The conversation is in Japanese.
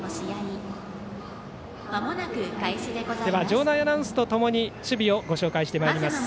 場内アナウンスとともに守備をご紹介してまいります。